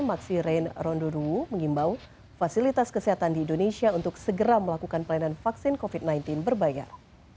maksi rain rondowu mengimbau fasilitas kesehatan di indonesia untuk segera melakukan pelayanan vaksin covid sembilan belas berbayar